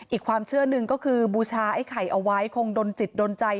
อีกความเชื่อหนึ่งก็คือบูชาไอ้ไข่เอาไว้คงดนจิตดนใจ